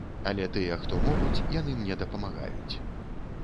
Але тыя, хто могуць, яны мне дапамагаюць.